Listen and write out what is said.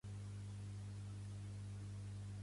Què ha posat sobre la taula JxCat?